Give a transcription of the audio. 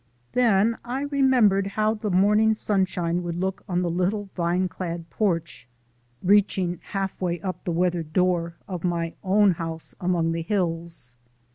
Then I remembered how the morning sunshine would look on the little vine clad back porch (reaching halfway up the weathered door) of my own house among the hills.